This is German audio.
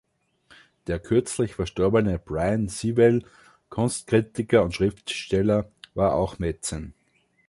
Der kürzlich verstorbene Brian Sewell, Kunstkritiker und Schriftsteller, war auch Mäzen.